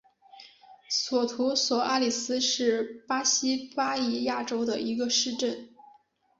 索图索阿里斯是巴西巴伊亚州的一个市镇。